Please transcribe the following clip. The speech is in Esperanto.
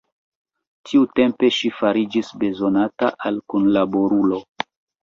Tiutempe ŝi fariĝis bezonata al kunlaborulo.